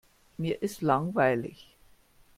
Mir ist langweilig.